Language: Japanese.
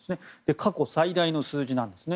過去最大の数字なんですね。